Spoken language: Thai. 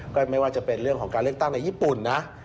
ไม่ว่าจะเป็นเรื่องของการเลือกตั้งในญี่ปุ่นนะ